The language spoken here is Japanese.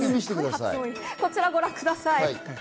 こちらをご覧ください。